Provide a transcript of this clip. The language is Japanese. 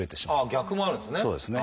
逆もあるんですね。